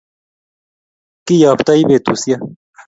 kiyoptoi petushek